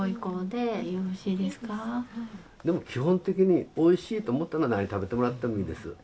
でも基本的においしいと思ったら何食べてもらってもいいです。